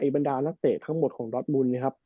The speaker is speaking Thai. บรรดานักเตะทั้งหมดของดอสบุญนะครับ